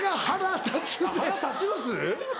腹立ちます？